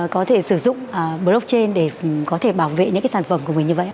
có thể sử dụng blockchain để có thể bảo vệ những cái sản phẩm của mình như vậy ạ